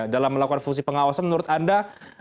dalam melakukan fungsi pengawasan menurut anda